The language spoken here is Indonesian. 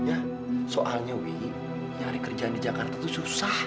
ya soalnya wih nyari kerjaan di jakarta tuh susah